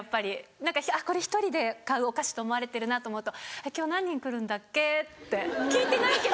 何かこれ１人で買うお菓子と思われてるなと思うと「今日何人来るんだっけ」って聞いてないけど。